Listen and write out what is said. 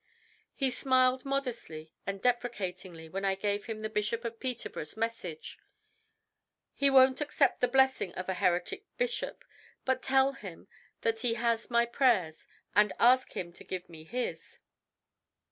He smiled modestly and deprecatingly when I gave him the Bishop of Peterborough's message "He won't accept the blessing of a heretic bishop, but tell him that he has my prayers, and ask him to give me his."